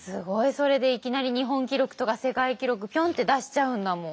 それでいきなり日本記録とか世界記録ぴょんって出しちゃうんだもん。